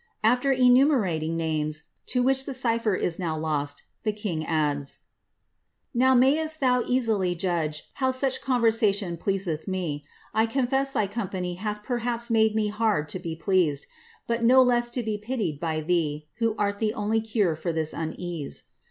After enumerating namett to which the cypher i$ now lotty the king adds) — Now mayest thou easily judge how such conversation pleaseth me. I confess dif compaoy hath perhaps made me hard to be pleased, but no less to be pitied kf thee, who art the only cure for this unease.